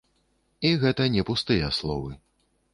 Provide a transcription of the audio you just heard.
І гэта не пустыя словы.